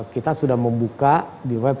kita sudah membuka di web